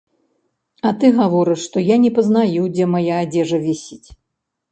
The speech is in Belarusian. А ты гаворыш, што я не пазнаю, дзе мая адзежа вісіць.